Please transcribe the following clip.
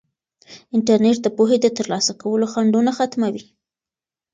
انټرنیټ د پوهې د ترلاسه کولو خنډونه ختموي.